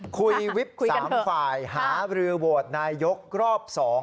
วิบ๓ฝ่ายหารือโหวตนายกรอบ๒